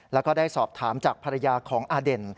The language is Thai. แล้วก็ได้สอบถามจากภรรยาของอเด่น